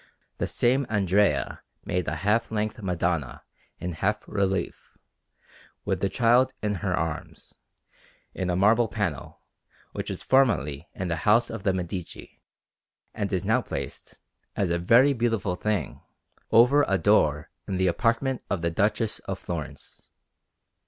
The same Andrea made a half length Madonna in half relief, with the Child in her arms, in a marble panel, which was formerly in the house of the Medici, and is now placed, as a very beautiful thing, over a door in the apartment of the Duchess of Florence.